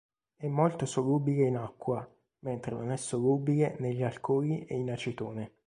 È molto solubile in acqua, mentre non è solubile negli alcoli e in acetone.